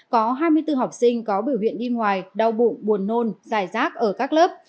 có hai mươi bốn học sinh có biểu hiện đi ngoài đau bụng buồn nôn dài rác ở các lớp